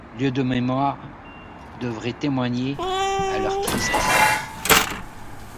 Lieux de mémoire devraient témoigner à leur triste sort.